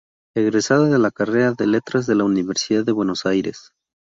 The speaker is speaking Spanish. Egresada de la carrera de Letras de la Universidad de Buenos Aires.